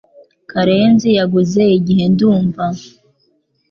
Karenzi yaguze igihe ndumva